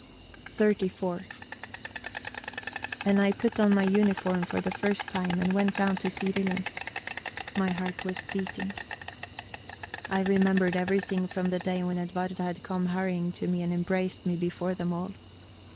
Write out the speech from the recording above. XXXIV And I put on my uniform for the first time, and went down to Sirilund. My heart was beating. I remembered everything from the day when Edwarda had come hurrying to me and embraced me before them all.